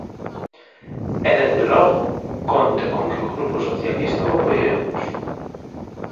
E, dende logo, conte con que o Grupo Socialista o apoiemos.